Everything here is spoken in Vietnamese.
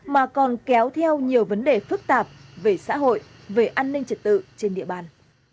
mà còn kéo theo nhiều vấn đề phức tạp về xã hội về an ninh trật tự trên địa bàn